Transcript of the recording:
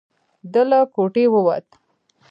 ده له کوټې ووت.